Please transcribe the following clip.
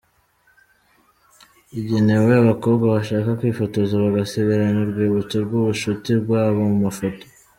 Igenewe abakobwa bashaka kwifotoza bagasigarana urwibutso rw’ubushuti bwabo mu mafoto.